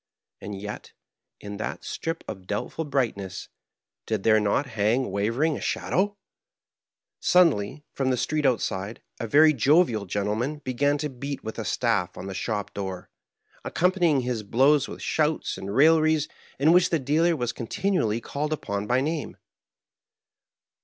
And yet, in that strip of doubtful brightness, did there not hang wavering a shadow ? Suddenly, from the street outside, a very jovial gen tleman began to beat with a staff on the shop door, ac companying his blows with shouts and railleries in which the dealer was continually called upon by name.